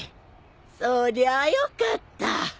そりゃあよかった。